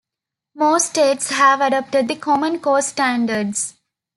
Most states have adopted the Common Core standards.